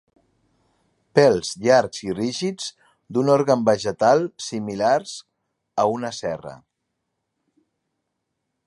Pèls llargs i rígids d'un òrgan vegetal similars a una cerra.